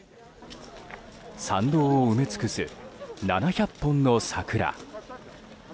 参道を埋め尽くす７００本の桜。